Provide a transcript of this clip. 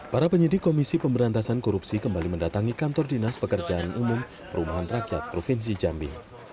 para penyidik komisi pemberantasan korupsi kembali mendatangi kantor dinas pekerjaan umum perumahan rakyat provinsi jambi